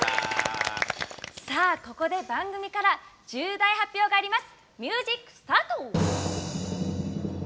ここで番組から重大発表があります。